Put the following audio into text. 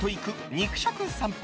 肉食さんぽ。